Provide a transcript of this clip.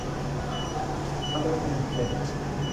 ทะเลอะมุนด์เซน